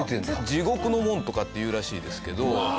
地獄の門とかっていうらしいですけど。